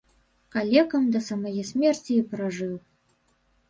Калекам да самае смерці і пражыў.